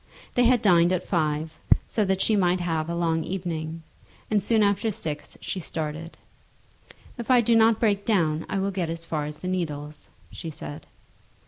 They had dined at five, so that she might have a long evening, and soon after six she started. "If I do not break down I will get as far as the Needles," she said.